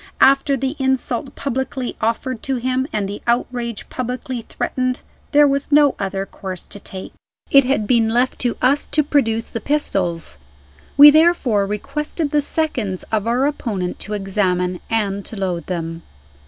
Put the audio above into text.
After the insult publicly offered to him, and the outrage publicly threatened, there was no other course to take. It had been left to us to produce the pistols. We therefore requested the seconds of our opponent to examine and to load them.